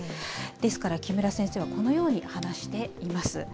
ですから、木村先生はこのように話しています。